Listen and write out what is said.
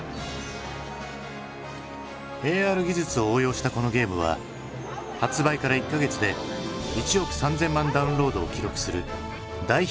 ＡＲ技術を応用したこのゲームは発売から１か月で１億３，０００万ダウンロードを記録する大ヒットコンテンツに。